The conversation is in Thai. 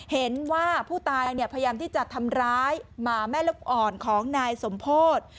เห็นว่าผู้ตายพยายามที่จะทำร้ายหมาแม่ลูกอ่อนของนายสมโพธิ